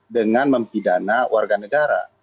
dengan mempidana warga negara